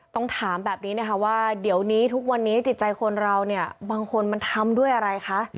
ต้องถามแบบนี้นะคะว่าเดี๋ยวนี้ทุกวันนี้จิตใจคนเราเนี่ยบางคนมันทำด้วยอะไรคะ